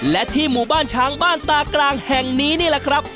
และที่หมู่บ้านช้างบ้านตากลางแห่งนี้นี่แหละครับ